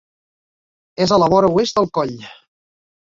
És a la vora oest del coll.